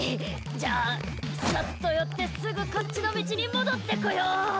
じゃあサッと寄ってすぐこっちの道に戻ってこよう！